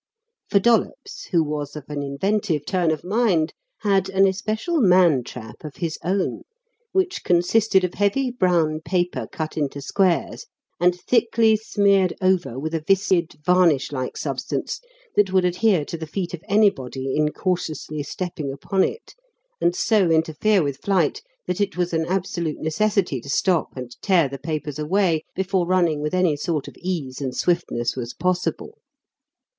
For Dollops, who was of an inventive turn of mind, had an especial "man trap" of his own, which consisted of heavy brown paper, cut into squares, and thickly smeared over with a viscid varnish like substance that would adhere to the feet of anybody incautiously stepping upon it, and so interfere with flight that it was an absolute necessity to stop and tear the papers away before running with any sort of ease and swiftness was possible.